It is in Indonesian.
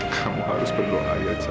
kamu harus berdoa aja